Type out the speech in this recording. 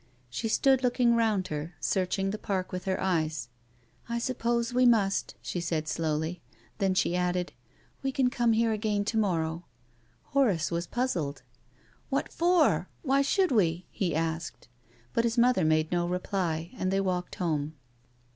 She stood looking round her, searching the Tark with her eyes. " I suppose we must," she said slowly. Then she added, " We can come here again to mor row. Horace was puzzled. " What for? Why should we ?" he asked. But his mother made no reply, and they walked home.